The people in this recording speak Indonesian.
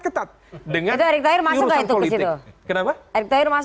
ketat dengan urusan politik